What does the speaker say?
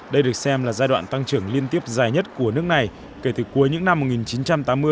đây được xem là giai đoạn tăng trưởng liên tiếp dài nhất của nước này kể từ cuối những năm một nghìn chín trăm tám mươi